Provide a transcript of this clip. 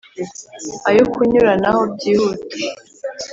ayo kunyuranaho byihuta